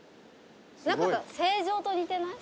何かさ成城と似てない？